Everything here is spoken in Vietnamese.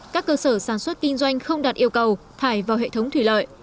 các cơ sở sản xuất kinh doanh không đạt yêu cầu thải vào hệ thống thủy lợi